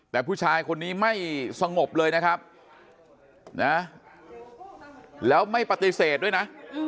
แต่ผู้ชายคนนี้ไม่สงบเลยนะครับนะแล้วไม่ปฏิเสธด้วยนะ